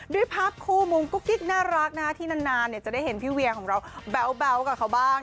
ด้วยภาพคู่มุมกุ๊กกิ๊กน่ารักที่นานจะได้เห็นพี่เวียของเราแบ๊วกับเขาบ้าง